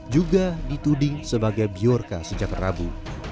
juga dituding sebagai biorka sejak rabu